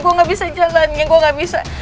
gue gak bisa jalannya gue gak bisa